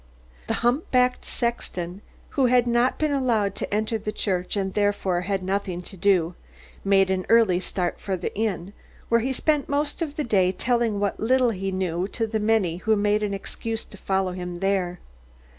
The hump backed sexton, who had not been allowed to enter the church and therefore had nothing to do, made an early start for the inn, where he spent most of the day telling what little he knew to the many who made an excuse to follow him there.